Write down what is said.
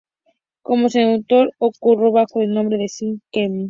Como cantautor, actuó bajo el nombre de Stan Kelly.